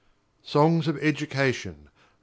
SONGS OF EDUCATION: IV.